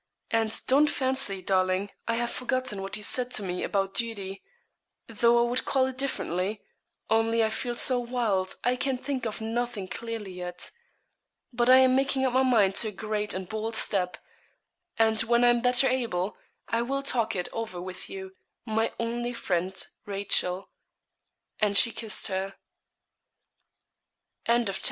And don't fancy, darling, I have forgotten what you said to me about duty though I would call it differently only I feel so wild, I can think of nothing clearly yet. But I am making up my mind to a great and bold step, and when I am better able, I will talk it over with you my only friend, Rachel.' And she kissed her. CHAPTER LXVII.